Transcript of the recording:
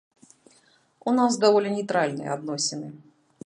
У нас даволі нейтральныя адносіны.